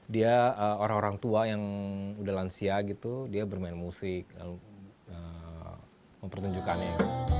dia orang orang tua yang udah lansia gitu dia bermain musik lalu mempertunjukkannya